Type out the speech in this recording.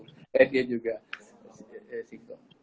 eh dia juga singkong